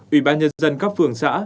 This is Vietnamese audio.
ủy ban nhân dân các phường xã